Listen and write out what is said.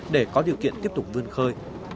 để có điều kiện tiếp tục vươn khơi